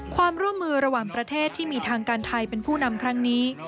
ความร่วมมือระหว่างประเทศที่มีทางการไทยเป็นผู้นำครั้งนี้